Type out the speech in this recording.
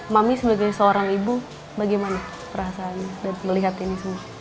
mami sebagai seorang ibu bagaimana perasaan melihat ini semua